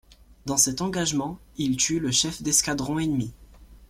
Dans cet engagement, il tue le chef d'escadron ennemi.